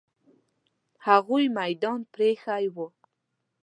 هغوی میدان پرې ایښی وو.